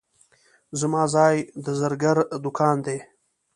زما ځای د زرګر دوکان دی.